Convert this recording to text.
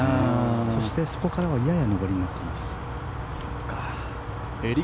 そしてそこからはやや上りになっています。